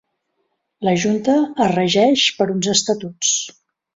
La Junta es regeix per uns estatuts.